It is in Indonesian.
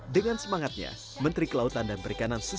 kekuatan kementerian kelautan dan perikanan